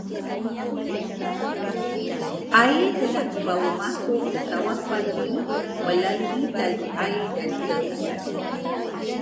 Air telah dibawa masuk ke sawah padi melalui tali air dan terusan.